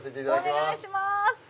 お願いします！